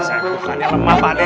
saya bukannya lemah pak dek